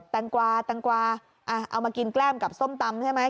แตงกวาแตงกวาเอามากินแกล้มกับส้มตำใช่ไหม